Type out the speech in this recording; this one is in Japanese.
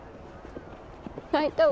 泣いたわ。